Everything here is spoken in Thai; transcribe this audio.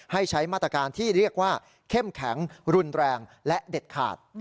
ให้ใช้มาตรการที่เรียกว่าเข้มแข็งรุนแรงและเด็ดขาด